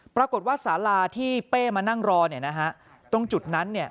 ปรากฏว่าสาราที่เป้มานั่งรอตรงจุดนั้น